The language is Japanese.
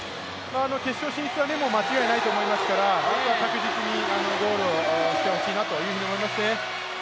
決勝進出は間違いないと思いますから、あとは確実にゴールをしてほしいなと思いますね。